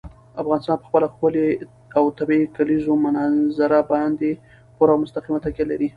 افغانستان په خپله ښکلې او طبیعي کلیزو منظره باندې پوره او مستقیمه تکیه لري.